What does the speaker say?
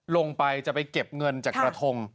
ลงไปจะไปเก็บเงินจากกระทง